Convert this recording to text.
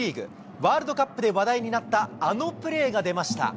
ワールドカップで話題になったあのプレーが出ました。